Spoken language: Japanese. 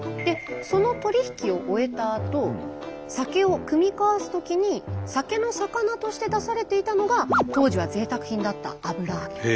その取り引きを終えたあと酒をくみ交わすときに酒の肴として出されていたのが当時はぜいたく品だった油揚げ。